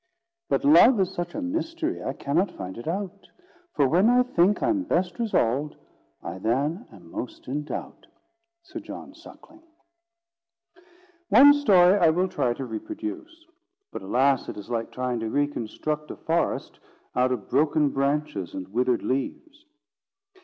"But Love is such a Mystery I cannot find it out: For when I think I'm best resolv'd, I then am in most doubt." SIR JOHN SUCKLING. One story I will try to reproduce. But, alas! it is like trying to reconstruct a forest out of broken branches and withered leaves.